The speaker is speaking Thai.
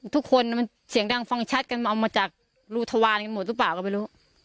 ทุกคนมันเสียงดังฟังชัดกันเอามาจากรูทวารกันหมดหรือเปล่าก็ไม่รู้